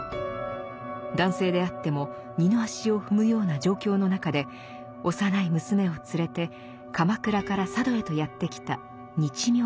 男性であっても二の足を踏むような状況の中で幼い娘を連れて鎌倉から佐渡へとやって来た日妙尼。